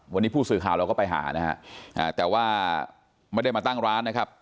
วันนี้ผู้สื่อข่าวเราก็ไปหานะฮะแต่ว่าไม่ได้มาตั้งร้านนะครับ